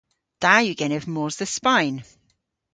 Da yw genev mos dhe Spayn.